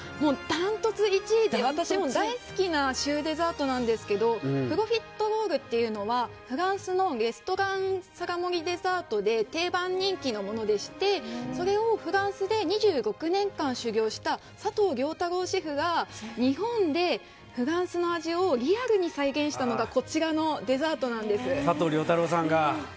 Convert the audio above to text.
ダントツ１位で私も大好きなシューデザートなんですけどプロフィットロールというのはフランスのデザートで定番人気のものでして、それをフランスで２６年間修業したサトウ・リョウタロウシェフが日本でフランスの味をリアルに再現したのがこちらのデザートなんです。